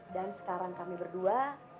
dan sekarang kami berdua